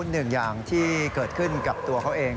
หนึ่งอย่างที่เกิดขึ้นกับตัวเขาเอง